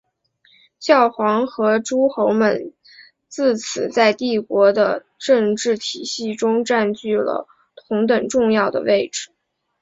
教皇和诸侯们自此在帝国的政治体系中占据了同等重要的位置。